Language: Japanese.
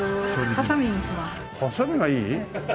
ハサミがいい？